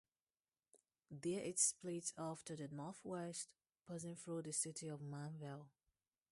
There it splits off to the northwest, passing through the city of Manvel.